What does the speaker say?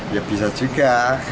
ya bisa juga